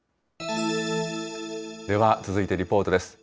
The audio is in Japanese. では、続いてリポートです。